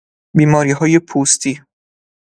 بیماریهای پوستی